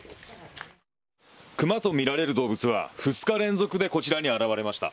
クマとみられる動物は２日連続でこちらに現れました。